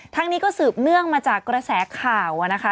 นี้ก็สืบเนื่องมาจากกระแสข่าวนะคะ